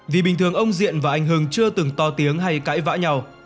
vì bình thường ông diện và anh hưng chưa từng to tiếng hay cãi vã nhau